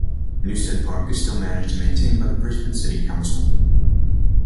Newstead Park is still managed and maintained by the Brisbane City Council.